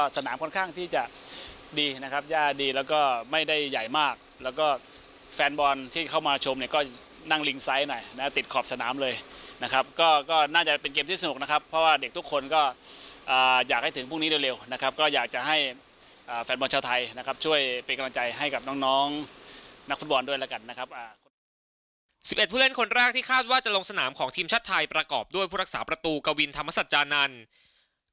สิบเอ็ดผู้เล่นคนแรกที่คาดว่าจะลงสนามของทีมชัดไทยประกอบด้วยพุทรรักษาประตูกวาวินธรรมศาจจานันทร์